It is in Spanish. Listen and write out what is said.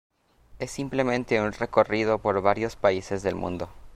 Es simplemente un recorrido por varios países del mundo.